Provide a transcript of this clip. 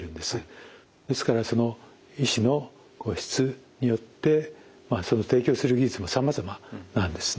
ですから医師の質によって提供する技術もさまざまなんですね。